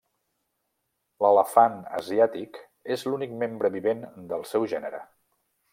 L'elefant asiàtic és l'únic membre vivent del seu gènere.